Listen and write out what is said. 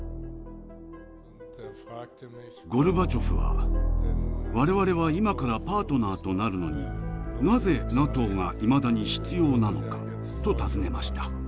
ゴルバチョフは「我々は今からパートナーとなるのになぜＮＡＴＯがいまだに必要なのか？」と尋ねました。